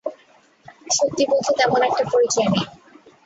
সত্যি বলতে তেমন একটা পরিচয় নেই।